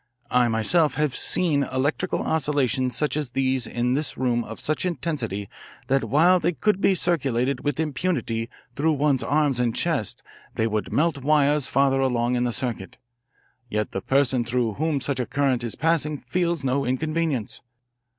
I myself have seen electrical oscillations such as these in this room of such intensity that while they could be circulated with impunity through one's arms and chest they would melt wires farther along in the circuit. Yet the person through whom such a current is passing feels no inconvenience.